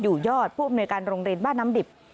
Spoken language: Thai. อยู่ยอดผู้อำนวยการโรงเรียนบ้านน้ำดิบ